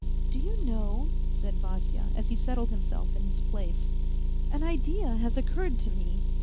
" Do you know," said Vasya, as he settled himself in his place, " an idea has occurred to me